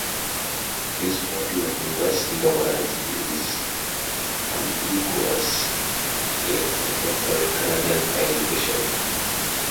This model of university governance is ubiquitous in contemporary Canadian higher education.